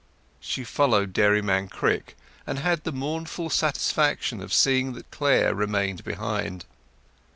She followed Dairyman Crick, and had the mournful satisfaction of seeing that Clare remained behind.